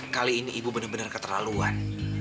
kali ini ibu benar benar keterlaluan